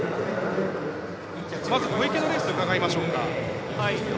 まず小池のレース伺いましょうか。